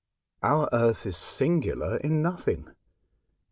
Our Earth is singular in nothing.